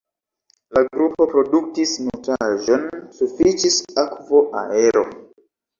La grupo produktis nutraĵon, sufiĉis akvo, aero.